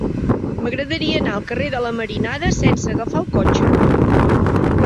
M'agradaria anar al carrer de la Marinada sense agafar el cotxe.